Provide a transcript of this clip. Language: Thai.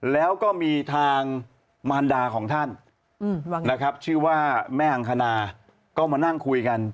แล้วก็มีทางมารดาของท่านนะครับชื่อว่าแม่อังคณาก็มานั่งคุยกัน